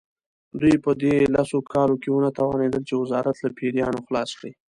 دوی په دې لسو کالو کې ونه توانېدل چې وزارت له پیریانو خلاص کړي.